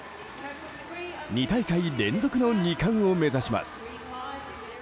２大会連続の２冠を目指します。